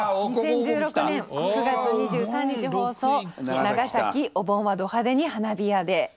２０１６年９月２３日放送「長崎お盆はド派手に花火屋で」。